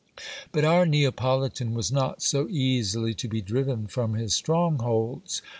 But our Neapolitan was not so easily to be driven from his strongholds.